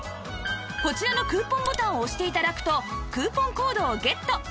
こちらのクーポンボタンを押して頂くとクーポンコードをゲット